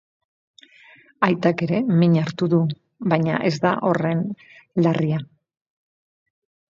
Aitak ere min hartu du, baina ez da horren larria.